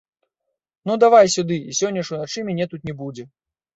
Ну, давай сюды, і сёння ж уначы мяне тут не будзе.